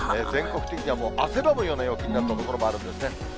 全国的にはもう汗ばむような陽気になった所もあるんですね。